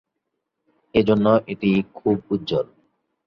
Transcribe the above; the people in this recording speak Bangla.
এজন্য এটি খুব উজ্জ্বল।